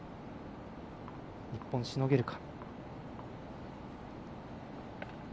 日本、しのげるか。